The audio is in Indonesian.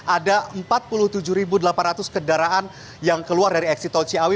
ada empat puluh tujuh delapan ratus kendaraan yang keluar dari eksit tol ciawi